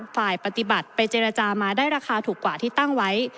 ฝ่ายปฏิบัติไปเจรจามาได้ราคาถูกกว่าที่ตั้งไว้